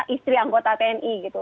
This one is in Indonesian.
istri anggota tni